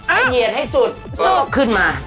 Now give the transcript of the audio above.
ไอเหยียดให้สุดรวบขึ้นมา